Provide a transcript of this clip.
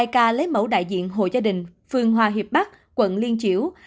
hai ca lấy mẫu đại diện hội gia đình phường hòa hiệp bắc quận liên triểu